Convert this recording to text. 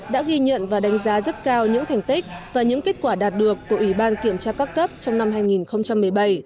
đã ghi nhận và đánh giá rất cao những thành tích và những kết quả đạt được của ủy ban kiểm tra các cấp trong năm hai nghìn một mươi bảy